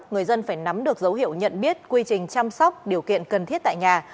người dân phải nắm được dấu hiệu nhận biết quy trình chăm sóc điều kiện cần thiết tại nhà